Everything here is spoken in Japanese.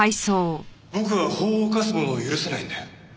僕は法を犯す者を許せないんだよ。